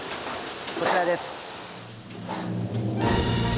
こちらです。